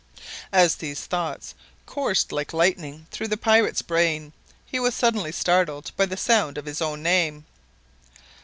As these thoughts coursed like lightning through the pirate's brain, he was suddenly startled by the sound of his own name.